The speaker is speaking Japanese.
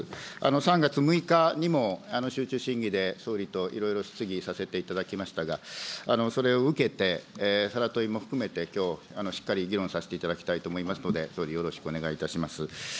３月６日にも集中審議で総理といろいろ質疑させていただきましたが、それを受けて、も含めて、きょう、しっかり議論させていただきたいと思いますので総理、よろしくお願いいたします。